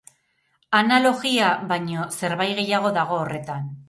Analogia baino zerbait gehiago dago horretan.